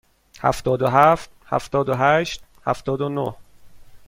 هفتاد و هفت، هفتاد و هشت، هفتاد و نه.